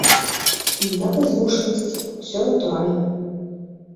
Ніякай змушанасці, усё натуральна.